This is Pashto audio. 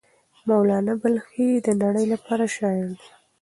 مولانا بلخي د نړۍ لپاره شاعر دی.